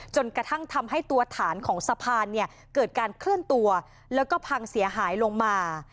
จนกระทั่งทำให้ตัวฐานของสะพานเนี่ยเกิดการเคลื่อนตัวแล้วก็พังเสียหายลงมา